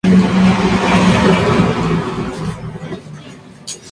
Era hijo de Manuel María Herrera y Delfina Luna.